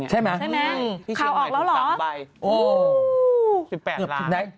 ๑๘ล้าน